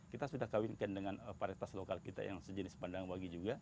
kita sudah kawinkan dengan paritas lokal kita yang sejenis pandan wangi juga